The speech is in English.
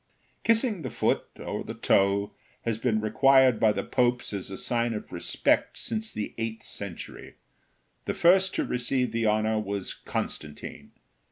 Kissing the foot, or the toe, has been required by the popes as a sign of respect since the eighth century. The first to receive the honor was Constantine.